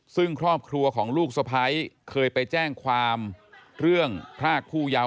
ซึ่งครอบครัวของลูกสะพ้ายเคยไปแจ้งความเรื่องพรากผู้เยาว์